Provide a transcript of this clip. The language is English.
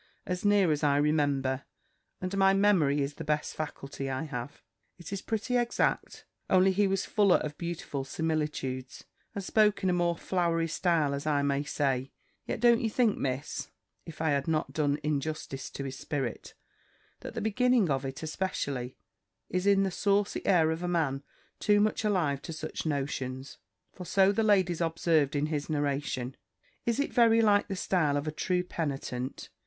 As near as I remember (and my memory is the best faculty I have), it is pretty exact; only he was fuller of beautiful similitudes, and spoke in a more flowery style, as I may say. Yet don't you think, Miss (if I have not done injustice to his spirit), that the beginning of it, especially, is in the saucy air of a man too much alive to such notions? For so the ladies observed in his narration. Is it very like the style of a true penitent?